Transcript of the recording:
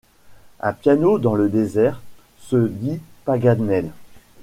Un piano dans le désert! se dit Paganel.